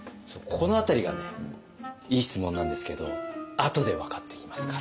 この辺りがねいい質問なんですけどあとで分かってきますから。